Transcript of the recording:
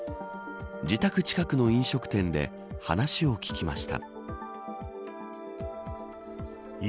自宅近くの飲食店で話を聞きました。